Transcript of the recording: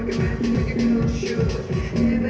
กินที่สุด